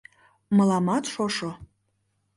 Мыламат шошо?